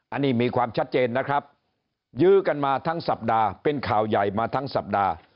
อันนี้มีความชัดเจนนะครับยื้อกันมาทั้งสัปดาห์เป็นข่าวใหญ่มาทั้งสัปดาห์